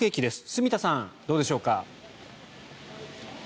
住田さん、どうでしょうか。